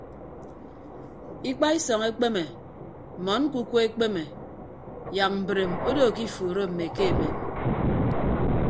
Ikpaisọñ ekpeme mmọn ñkuku ekpeme yak mbreem odo ke ifuuro mme ke emem.